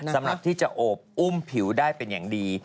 สำหรับที่จะโอบอุ้มผิวได้เป็นอย่างดี